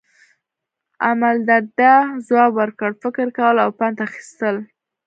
امالدرداء ځواب ورکړ، فکر کول او پند اخیستل.